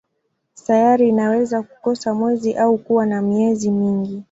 Sayari inaweza kukosa mwezi au kuwa na miezi mingi.